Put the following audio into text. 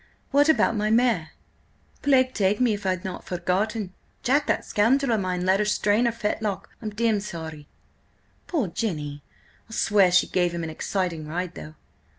... What about my mare?" "Plague take me if I'd not forgotten! Jack, that scoundrel of mine let her strain her fetlock. I'm demmed sorry." "Poor Jenny! I'll swear she gave him an exciting ride, though."